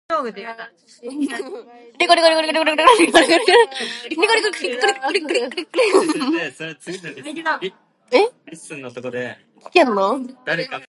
Todd's widow Carolyn paid tribute to a caring and loving father and husband.